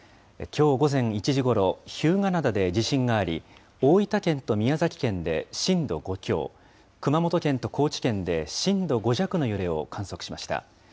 きょう午前１時ごろ、日向灘で地震があり、大分県と宮崎県で震度５強、熊本県と高知県で震度５弱の揺れを観測しました。